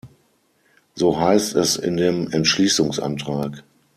So heißt es in dem Entschließungsantrag.